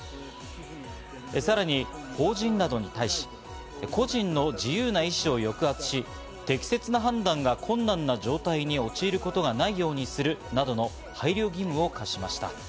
さらに、法人などに対し、個人の自由な意思を抑圧し、適切な判断が困難な状態に陥ることがないようにするなどの配慮義務を課しました。